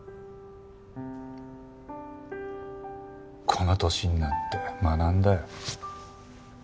この年になって学んだよ。